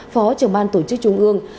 phó trưởng ban tổ chức trung ương